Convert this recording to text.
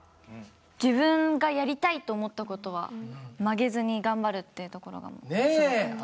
自分がやりたいと思った事は曲げずに頑張るっていうところがすごかったです。